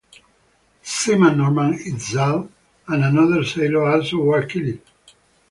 Seaman Norman Edsall and another sailor also were killed.